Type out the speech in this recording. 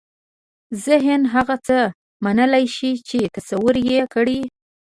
ذهن هغه څه منلای شي چې تصور یې کړي.